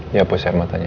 dia peset matanya